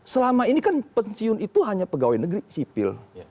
selama ini kan pensiun itu hanya pegawai negeri sipil